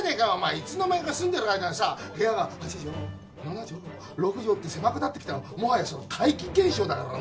いつの間にか住んでる間にさ部屋が８畳７畳６畳って狭くなってきたらもはやそれ怪奇現象だからな。